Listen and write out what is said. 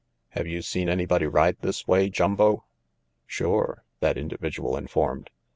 "Have you seen anybody ride this way, Jumbo?" "Sure," that individual informed.